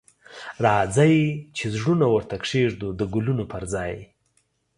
راځئ چې زړونه ورته کښیږدو د ګلونو پر ځای